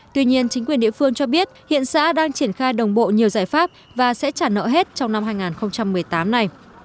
tuy nhiên chính quyền địa phương cho biết hiện xã đang triển khai đồng bộ nhiều giải pháp và sẽ trả nợ hết trong năm hai nghìn một mươi tám này